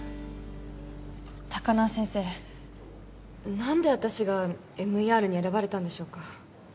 何で私がＭＥＲに選ばれたんでしょうか